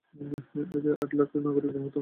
এতে আট লাখ নাগরিক নিহত হন।